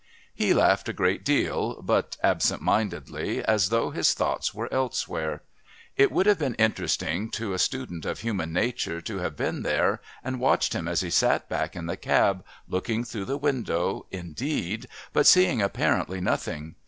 He laughed a great deal, but absent mindedly, as though his thoughts were elsewhere. It would have been interesting to a student of human nature to have been there and watched him as he sat back in the cab, looking through the window, indeed, but seeing apparently nothing.